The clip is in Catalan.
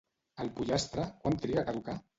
El pollastre quant triga a caducar?